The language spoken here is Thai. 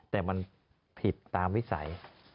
แต่มันผิดตามวิสัย